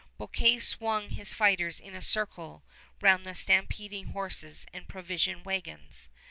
Bouquet swung his fighters in a circle round the stampeding horses and provision wagons.